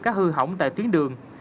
các hư hỏng tại tuyến đường